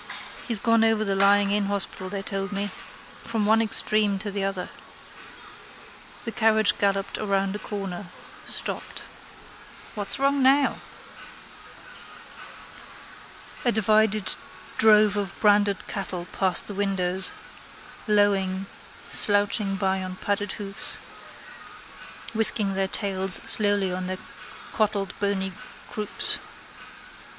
He's gone over to the lying in hospital they told me. From one extreme to the other. The carriage galloped round a corner: stopped. —What's wrong now? A divided drove of branded cattle passed the windows, lowing, slouching by on padded hoofs, whisking their tails slowly on their clotted bony croups.